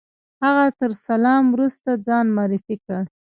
هغه تر سلام وروسته ځان معرفي کړ.